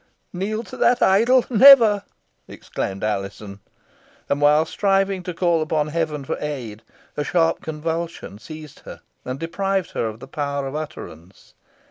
"Kneel to that idol never!" exclaimed Alizon. And while striving to call upon heaven for aid, a sharp convulsion seized her, and deprived her of the power of utterance.